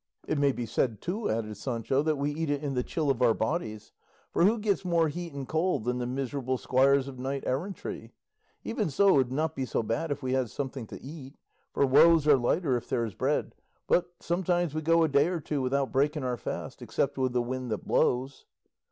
"It may be said, too," added Sancho, "that we eat it in the chill of our bodies; for who gets more heat and cold than the miserable squires of knight errantry? Even so it would not be so bad if we had something to eat, for woes are lighter if there's bread; but sometimes we go a day or two without breaking our fast, except with the wind that blows."